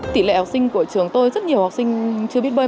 tỷ lệ học sinh của trường tôi rất nhiều học sinh chưa biết bơi